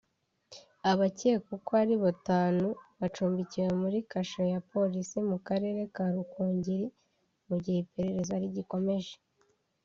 Abakekwa uko ari batanu bacumbikiwe muri kasho ya polisi mu karere ka Rukungiri mu gihe iperereza rigikomeje